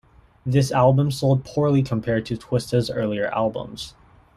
This album sold poorly compared to Twista's earlier albums.